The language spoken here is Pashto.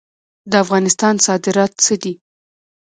د افغانستان صادرات څه دي؟